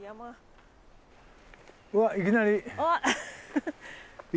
うわっいきなり！